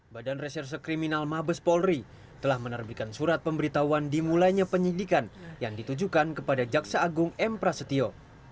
badan reserse kriminal mabes polri telah menerbitkan surat pemberitahuan dimulainya penyidikan yang ditujukan kepada jaksa agung m prasetyo